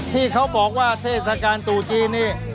ที่เขาบอกว่าเทศกาลตู่จีนนี้